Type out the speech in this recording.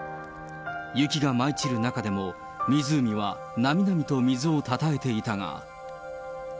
雪が舞い散る中でも、湖はなみなみと水をたたえていたが。